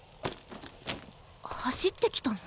走ってきたの？